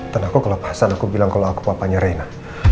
dan aku kelepasan aku bilang kalo aku papanya reina